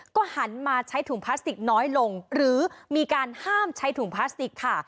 ก็หันมาใช้ถุงพลาสติกน้อยลงหรือมีการห้ามใช้ถุงพลาสติกค่ะ